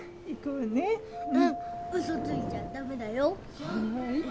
うん嘘ついちゃダメだよ。